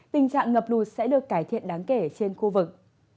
tình trạng ngập lụt sẽ được cải thiện đáng kể trên khu vực